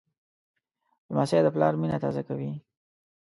لمسی د پلار مینه تازه کوي.